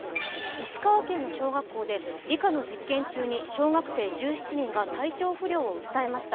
石川県の小学校て理科の実験中に小学生１７人が体調不良を訴えました。